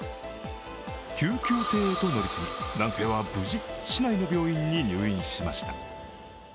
救急艇へと乗り継ぎ、男性は無事、市内の病院に入院しました。